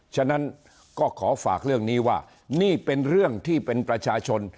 ฉะนั้นก็ขอฝากเรื่องนี้ว่านี่เป็นเรื่องที่เป็นประชาชน